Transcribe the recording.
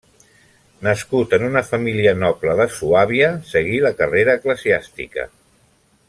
Nascut en una família noble de Suàbia, seguí la carrera eclesiàstica.